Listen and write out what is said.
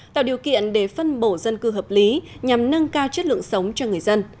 tạo điều kiện để phân bổ dân cư hợp lý nhằm nâng cao chất lượng sống cho người dân